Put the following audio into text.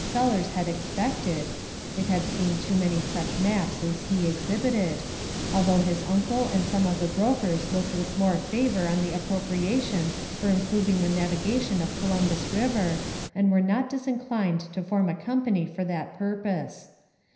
Sellers had expected, (it had seen too many such maps as he exhibited), although his uncle and some of the brokers looked with more favor on the appropriation for improving the navigation of Columbus River, and were not disinclined to form a company for that purpose.